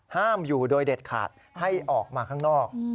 ห้ามอยู่โดยเด็ดขาดให้ออกมาข้างนอก